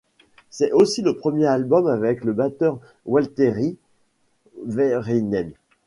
C'est aussi le premier album avec le batteur Waltteri Väyrynen.